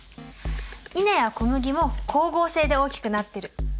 イネや小麦も光合成で大きくなってる。